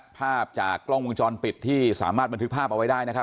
ภาพจากกล้องวงจรปิดที่สามารถบันทึกภาพเอาไว้ได้นะครับ